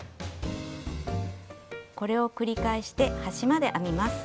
これを繰り返して端まで編みます。